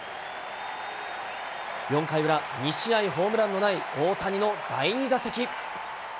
４回裏、２試合ホームランのない大谷の第２打席。